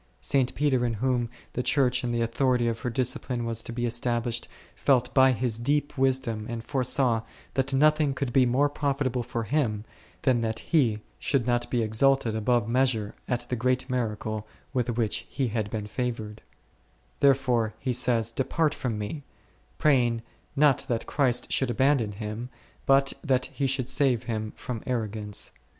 St. Peter in whom the Church and the authority of her discipline was to be established, felt by his deep wisdom and foresaw, that nothing could be more profitable for him than that he should not be exalted above measure at the great miracle with which he had been favoured ; therefore he says, Depart from me, praying, not that Christ should abandon him, but that He should save him from arrogance.